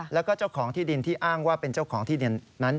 แล้วก็เจ้าของที่ดินที่อ้างว่าเป็นเจ้าของที่ดินนั้น